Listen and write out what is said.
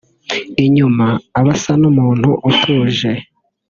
Inyuma aba asa n’umuntu utuje